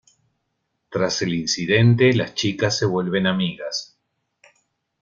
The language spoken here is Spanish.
Tras el incidente las chicas se vuelven amigas.